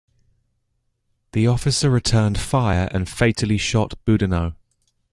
The officer returned fire and fatally shot Boudinot.